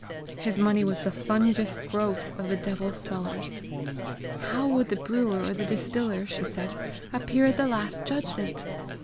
His money was the fungous growth of the devil's cellars. How would the brewer or the distiller, she said, appear at the last judgment!